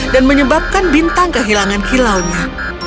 dan menyebabkan bintang kehilangan kilaunya